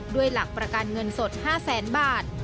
ด้วยหลักประกันเงินสด๕แสนบาท